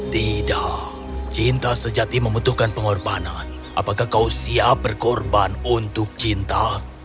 tidak cinta sejati membutuhkan pengorbanan apakah kau siap berkorban untuk cinta